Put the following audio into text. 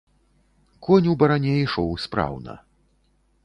Конь у баране ішоў спраўна.